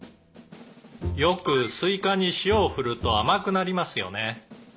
「よくスイカに塩を振ると甘くなりますよね」